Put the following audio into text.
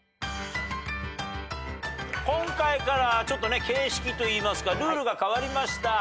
今回から形式といいますかルールが変わりました。